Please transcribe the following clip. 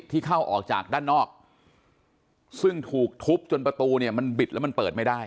เข้าออกจากด้านนอกซึ่งถูกทุบจนประตูเนี่ยมันบิดแล้วมันเปิดไม่ได้